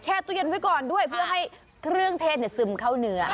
ตู้เย็นไว้ก่อนด้วยเพื่อให้เครื่องเทศซึมเข้าเนื้อ